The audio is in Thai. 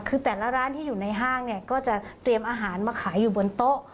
คือแต่ละร้านที่อยู่ในห้างเนี่ยก็จะเตรียมอาหารมาขายอยู่บนโต๊ะ